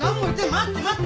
待って待って。